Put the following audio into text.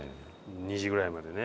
２時ぐらいまでね。